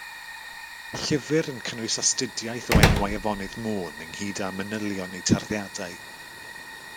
Llyfr yn cynnwys astudiaeth o enwau afonydd Môn ynghyd â manylion eu tarddiadau.